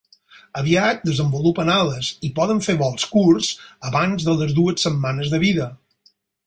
Aviat desenvolupen ales i poden fer vols curts abans de les dues setmanes de vida.